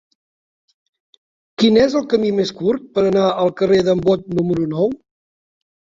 Quin és el camí més curt per anar al carrer d'en Bot número nou?